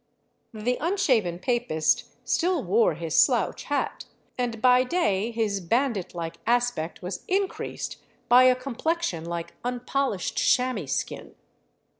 The unshaven papist still wore his slouch hat, and by day his bandit like aspect was increased by a complexion like unpolished chamois skin.